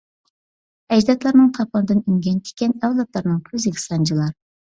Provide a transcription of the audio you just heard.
ئەجدادلارنىڭ تاپىنىدىن ئۈنگەن تىكەن، ئەۋلادلارنىڭ كۆزىگە سانجىلار.